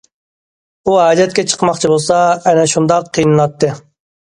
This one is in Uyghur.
ئۇ ھاجەتكە چىقماقچى بولسا ئەنە شۇنداق قىينىلاتتى.